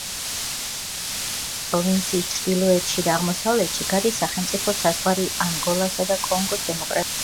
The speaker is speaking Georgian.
უიჟეს პროვინციის ჩრდილოეთში და აღმოსავლეთში გადის სახელმწიფო საზღვარი ანგოლასა და კონგოს დემოკრატიულ რესპუბლიკას შორის.